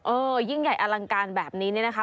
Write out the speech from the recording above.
เออยิ่งใหญ่อลังการแบบนี้นะคะ